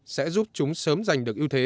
sẽ giúp chúng sớm giành được ưu thế